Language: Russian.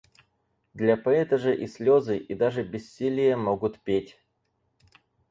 Для поэта же и слёзы и даже бессилие могут петь.